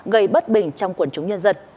gây bất bình trong quần chúng nhân dân